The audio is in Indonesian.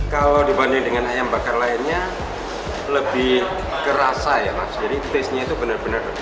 jadi tasenya itu benar benar